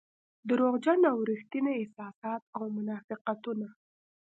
دروغجن او رښتيني احساسات او منافقتونه.